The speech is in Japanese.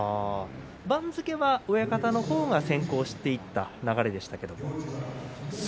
番付は親方の方が先行していた流れでしたけれども。